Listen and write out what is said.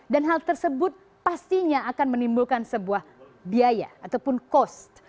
dan hal tersebut pastinya akan menimbulkan sebuah biaya ataupun cost